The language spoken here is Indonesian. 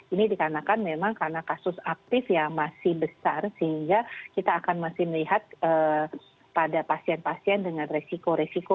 ini dikarenakan memang karena kasus aktif yang masih besar sehingga kita akan masih melihat pada pasien pasien dengan resiko resiko